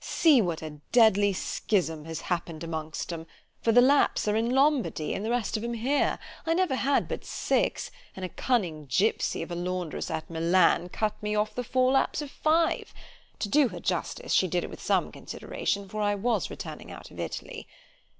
see what a deadly schism has happen'd amongst 'em—for the laps are in Lombardy, and the rest of 'em here—I never had but six, and a cunning gypsey of a laundress at Milan cut me off the fore laps of five—To do her justice, she did it with some consideration—for I was returning out of _Italy.